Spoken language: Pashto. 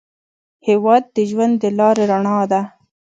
هېواد د ژوند د لارې رڼا ده.